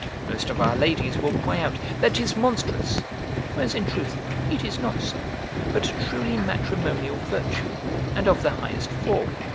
Most of our ladies will cry out, that 'tis monstrous; whereas in truth it is not so, but a truly matrimonial virtue, and of the highest form.